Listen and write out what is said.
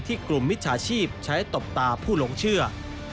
กลุ่มมิจฉาชีพใช้ตบตาผู้หลงเชื่อ